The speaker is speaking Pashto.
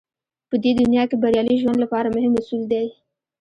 په دې دنيا کې بريالي ژوند لپاره مهم اصول دی.